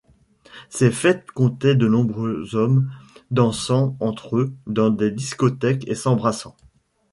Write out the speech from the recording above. Ces fêtes comptaient de nombreux hommes dansant entre eux dans des discothèques et s'embrassant.